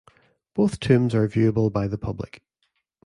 Both tombs are viewable by the public.